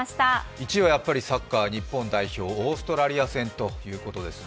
１位はやっぱりサッカー日本代表、オーストラリア戦ということですね。